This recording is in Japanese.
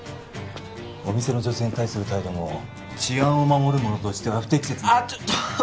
お店の女性に対する態度も治安を守る者としては不適切あっちょっちょっ